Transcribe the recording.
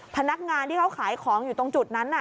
พนักงานที่เขาขายของอยู่ตรงจุดนั้น